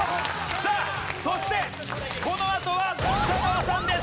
さあそしてこのあとは北川さんです。